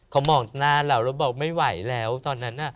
เขามองนานแล้วเราบอกไม่ไหวแล้วตอนนั้น